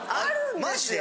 マジで？